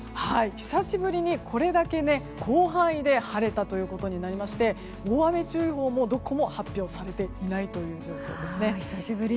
久しぶりにこれだけ広範囲で晴れたということになりまして大雨注意報もどこも発表されていないという状況ですね。